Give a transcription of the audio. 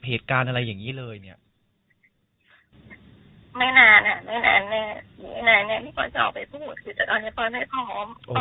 เหตุการณ์อะไรอย่างงี้เลยเนี้ยไม่นานอ่ะไม่นานน่ะไม่นานน่ะ